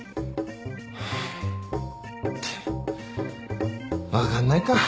って分かんないか